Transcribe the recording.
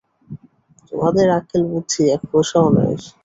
তোমাদের আক্কেল বুদ্ধি এক পয়সাও নাই।